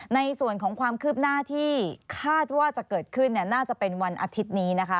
ในส่วนของความคืบหน้าที่คาดว่าจะเกิดขึ้นน่าจะเป็นวันอาทิตย์นี้นะคะ